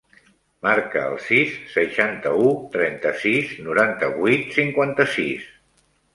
Marca el sis, seixanta-u, trenta-sis, noranta-vuit, cinquanta-sis.